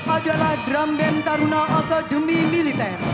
adalah drum band taruna akademi militer